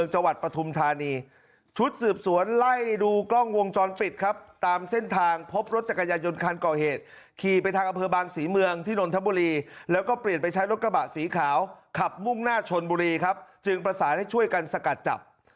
ให้ดูกล้องวงจรปิดครับตามเส้นทางพบรถจักรยายนยนท์คลานก่อเหตุขี่ไปทางอเผอบางศรีเมืองธนตะบุรีแล้วก็เปลี่ยนไปใช้รถกระบะสีขาวขับมุ่งหน้าชนบุรีครับจึงประสานให้ช่วยกันสกัดจับ